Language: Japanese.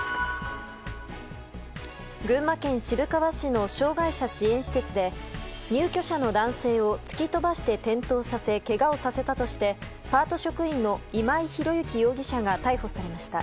群馬県渋川市の障害者支援施設で入居者の男性を突き飛ばして転倒させけがをさせたとしてパート職員の今井博之容疑者が逮捕されました。